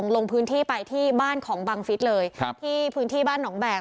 ลงพื้นที่ไปที่บ้านของบังฟิศเลยครับที่พื้นที่บ้านหนองแบก